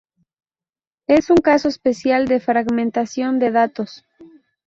Es un caso especial de fragmentación de datos.